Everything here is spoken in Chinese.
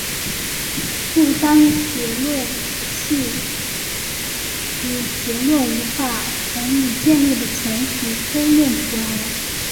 不当结论系指结论无法从已建立的前提推论出来。